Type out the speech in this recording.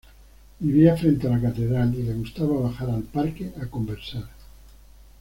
Vivía frente a la Catedral, y le gustaba bajar al parque a conversar.